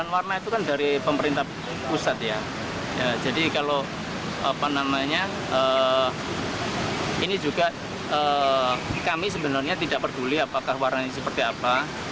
warna itu kan dari pemerintah pusat ya jadi kalau apa namanya ini juga kami sebenarnya tidak peduli apakah warna ini seperti apa